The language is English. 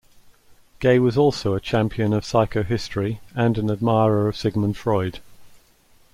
Gay was also a champion of psychohistory and an admirer of Sigmund Freud.